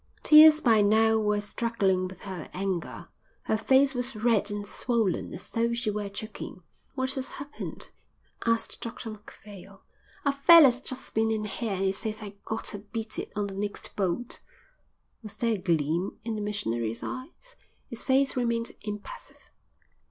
Tears by now were struggling with her anger. Her face was red and swollen as though she were choking. "What has happened?" asked Dr Macphail. "A feller's just been in here and he says I gotter beat it on the next boat." Was there a gleam in the missionary's eyes? His face remained impassive.